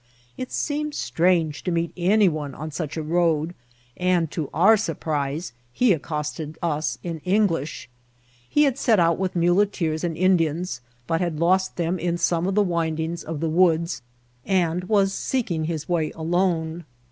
It seemed strange to meet any one on such a road; and, to our surprise, he accosted us in English. He had set out with muleteers and Indians, but had lost them in some of the windings of the woods, and was seeking his way alone.